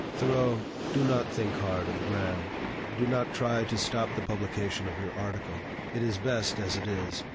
"Thoreau, do not think hard of Graham. Do not try to stop the publication of your article. It is best as it is.